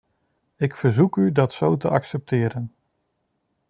Ik verzoek u dat zo te accepteren.